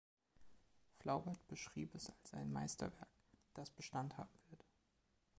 Flaubert beschrieb es als ein Meisterwerk, das Bestand haben wird.